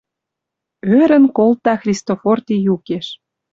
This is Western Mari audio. Ӧрӹн колта Христофор ти юкеш: